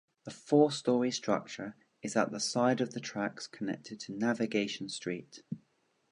The four-storey structure is at the side of the tracks connected to Navigation Street.